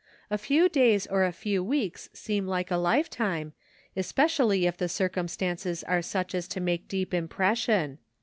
A few days or a few weeks seem like a lifetime, espe cially if the circumstances are such as to make deep impression.